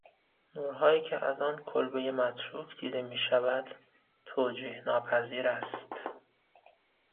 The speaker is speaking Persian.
نورهایی که از آن کلبهی متروک دیده میشود، توجیحناپذیر است!